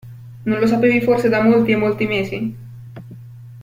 Non lo sapevi forse da molti e molti mesi?